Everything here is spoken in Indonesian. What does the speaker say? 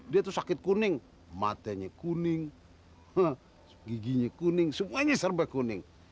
dia tuh sakit kuning materinya kuning giginya kuning semuanya serba kuning